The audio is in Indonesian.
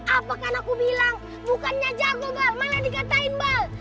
apakan aku bilang bukannya jago bal malah dikatain bal